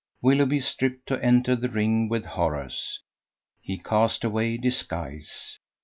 Willoughby stripped to enter the ring with Horace: he cast away disguise.